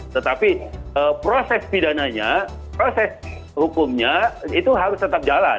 tetapi proses pidananya proses hukumnya itu harus tetap jalan